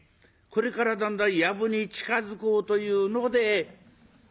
これからだんだんやぶに近づこうというのでたけのこ医者」。